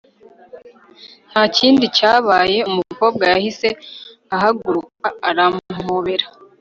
ntakindi cyabaye, umukobwa yahise ahaguruka arampobera